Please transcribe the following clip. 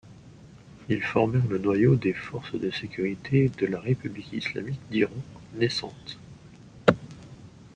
Ils formèrent le noyau des forces de sécurité de la République islamique d'Iran naissante.